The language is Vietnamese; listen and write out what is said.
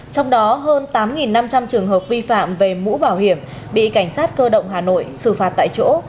trong đó hơn tám năm trăm linh trường hợp vi phạm về mũ bảo hiểm bị cảnh sát cơ động hà nội xử phạt tại chỗ